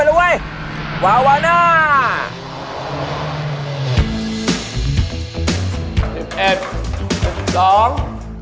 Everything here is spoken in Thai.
ครึ่่งหนึ่ง